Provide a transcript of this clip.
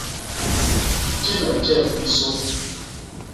Ti me tjep i sô.